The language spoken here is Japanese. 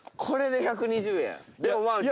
これで１２０円。